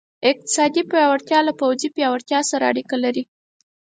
اقتصادي پیاوړتیا له پوځي پیاوړتیا سره اړیکه لري.